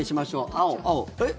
青、青えっ？